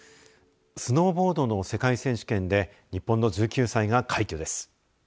スノーボードの世界選手権で日本の１９歳が快挙です。